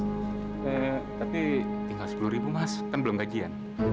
eh tapi tinggal sepuluh ribu mas kan belum gaji ya